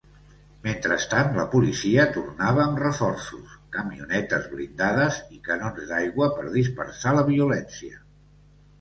Mentrestant, la policia tornava amb reforços, camionetes blindades i canons d'aigua per dispersar la violència.